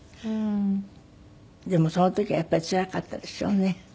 でもその時がやっぱりつらかったでしょうね。